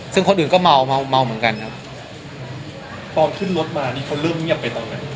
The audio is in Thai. ซึ่งคนอื่นก็เมาเมาเหมือนกันครับพอขึ้นรถมานี่เขาเริ่มเงียบไปตอนนั้น